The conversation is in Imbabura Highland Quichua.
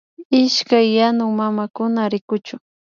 Ishkay yanuk mamakuna rikuchu